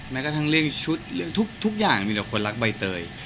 แม้กระทั่งเรียกชุดทุกอย่างแต่คนรักใบเตย